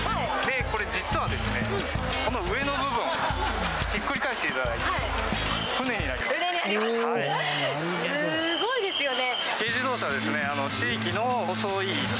これ、実はですね、この上の部分、ひっくり返していただくと、船にすごいですよね。